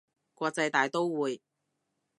國際大刀會